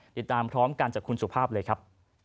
ติดตามพร้อมกันจากคุณสุภาพเลยครับ